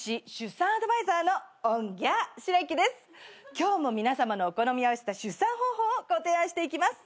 今日も皆さまのお好みに合わせた出産方法をご提案していきます。